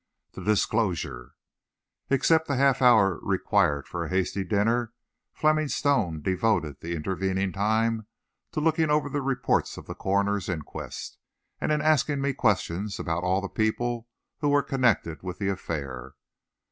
THE DISCLOSURE Except the half hour required for a hasty dinner, Fleming Stone devoted the intervening time to looking over the reports of the coroner's inquest, and in asking me questions about all the people who were connected with the affair.